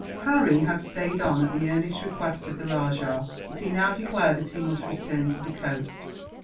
Harry had stayed on, at the earnest request of the rajah; but he now declared that he must return to the coast.